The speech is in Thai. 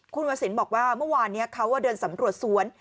คุณพระสินบอกว่าเมื่อวานเนี้ยเขาอ่ะเดินสำหรับสวน